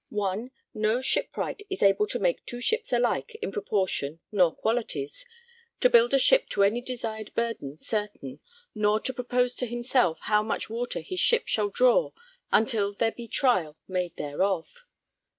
(1) No shipwright is able to make two ships alike in proportion nor qualities; to build a ship to any desired burden certain; nor to propose to himself how much water his ship shall draw until there be trial made thereof.